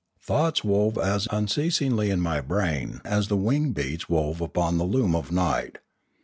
Thoughts wove as unceasingly in ray brain as the wing beats wove upon the loom of night.